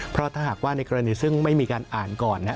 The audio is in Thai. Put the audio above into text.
เพราะถ้าหากว่าในกรณีซึ่งไม่มีการอ่านก่อน